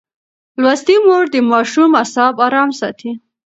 لوستې مور د ماشوم اعصاب ارام ساتي.